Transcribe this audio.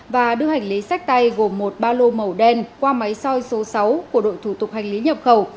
và đưa hành lý sách tay gồm một ba lô màu đen qua máy soi số sáu của đội thủ tục hành lý nhập khẩu